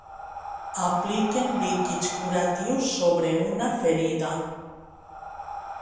Apliquen líquids curatius sobre una ferida.